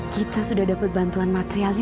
kita sudah dapat bantuan materialnya